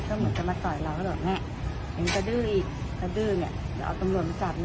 ก็เหมือนจะมาต่อยเราก็บอกแม่เห็นมันกระดื้ออีกกระดื้อเนี่ยเดี๋ยวเอาตำรวจมาจับนะ